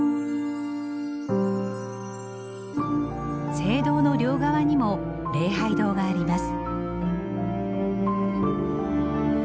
聖堂の両側にも礼拝堂があります。